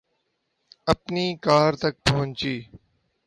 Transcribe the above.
اپنی کار تک پہنچی